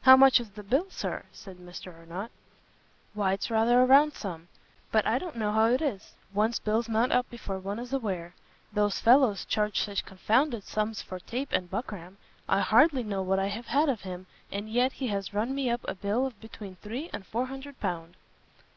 "How much is the bill, Sir?" said Mr Arnott. "Why it's rather a round sum; but I don't know how it is, one's bills mount up before one is aware: those fellows charge such confounded sums for tape and buckram; I hardly know what I have had of him, and yet he has run me up a bill of between three and four hundred pound."